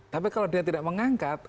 tapi kalau dia tidak mengangkat